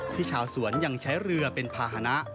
ชาวสวนยังใช้เรือเป็นภาษณะ